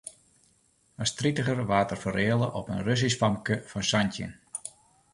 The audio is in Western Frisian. As tritiger waard er fereale op in Russysk famke fan santjin.